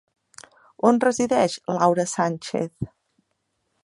On resideix Laura Sánchez?